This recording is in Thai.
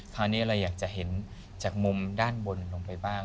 คราวนี้เราอยากจะเห็นจากมุมด้านบนลงไปบ้าง